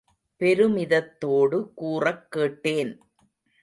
பெருமிதத்தோடு கூறக் கேட்டேன்.